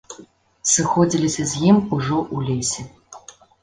Сыходзілася з ім ужо ў лесе.